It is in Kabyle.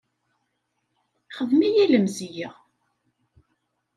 Xdem-iyi lemzeyya.